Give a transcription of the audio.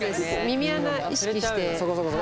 耳穴意識して。